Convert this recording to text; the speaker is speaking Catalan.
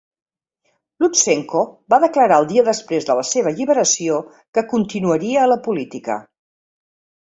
Lutsenko va declarar el dia després de la seva alliberació que "continuaria a la política".